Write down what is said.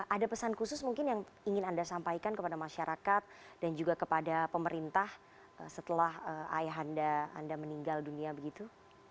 ada pesan khusus mungkin yang ingin anda sampaikan kepada masyarakat dan juga kepada pemerintah setelah ayah anda meninggal dunia begitu